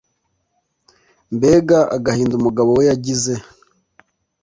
mbega agahinda umugabo we yagize